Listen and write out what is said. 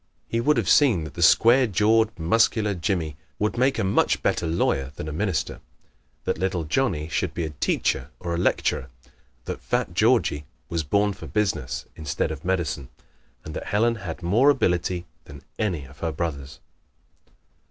He would have seen that the square jawed Muscular Jimmie would make a much better lawyer than a minister; that little Johnnie should be a teacher or a lecturer; that fat Georgie was born for business instead of medicine; and that Helen had more ability than any of her brothers.